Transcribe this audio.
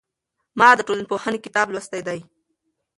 ما د ټولنپوهنې کتاب لوستلی دی.